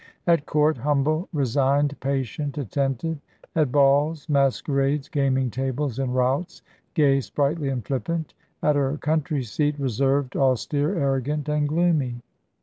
At court, humble, resigned, patient, attentive: at balls, masquerades, gaming tables, and routs, gay, sprightly, and flippant; at her country seat, reserved, austere, arrogant, and gloomy.